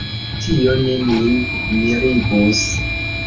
Tio ne min mirigus.